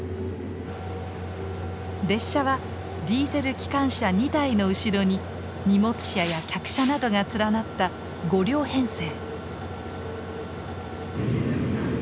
列車はディーゼル機関車２台の後ろに荷物車や客車などが連なった５両編成。